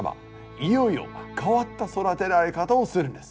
いよいよ変わった育てられ方をするんです。